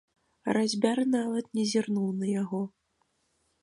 Разьбяр нават не зірнуў на яго.